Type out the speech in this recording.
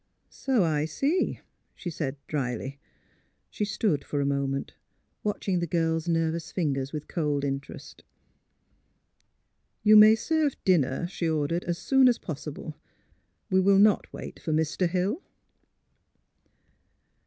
*' So I see," she said, dryly. She stood for a moment, watching the girl 's nervous fingers with cold interest. " You may serve dinner," she ordered, *' as soon as possible. We will not wait for Mr. Hill."